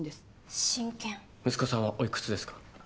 息子さんはおいくつですか？